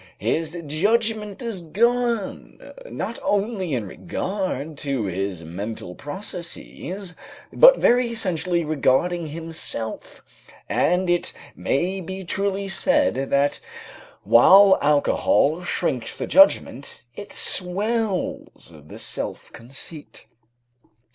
His judgment is gone, not only in regard to his mental processes, but very essentially regarding himself, and it may be truly said that while alcohol shrinks the judgment, it swells the self conceit.